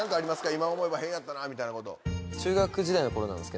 今思えば変やったなみたいなこと。